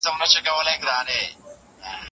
اسلام د پناه غوښتونکي ساتنه واجب ګڼي.